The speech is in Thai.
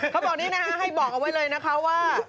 เขาบอกนี้นะคะให้บอกเอาไว้เลยนะคะว่า